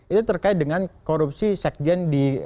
itu terkait dengan korupsi sekjen di